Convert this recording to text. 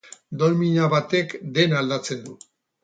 Domina batek dena aldatzen du.